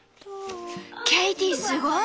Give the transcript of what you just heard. ケイティすごい。